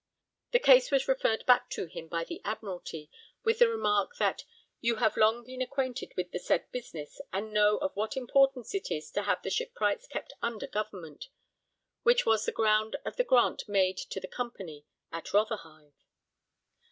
' The case was referred back to him by the Admiralty with the remark that 'You have long been acquainted with the said business and know of what importance it is to have the shipwrights kept under government, which was the ground of the grant made to the Company at Rotherhithe.'